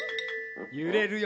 ゆれるよ。